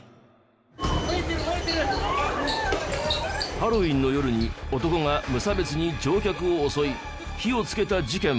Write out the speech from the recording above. ハロウィーンの夜に男が無差別に乗客を襲い火をつけた事件も。